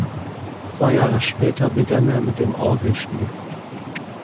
Zwei Jahre später begann er mit dem Orgelspiel.